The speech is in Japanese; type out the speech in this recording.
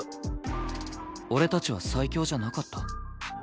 俺たちは最強じゃなかった。